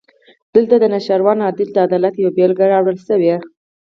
دلته د نوشیروان عادل د عدالت یوه بېلګه راوړل شوې.